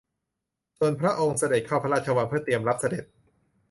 ส่วนพระองค์เสด็จเข้าพระราชวังเพื่อเตรียมรับเสด็จ